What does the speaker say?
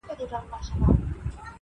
• یو له بله یې په وینو وه لړلي -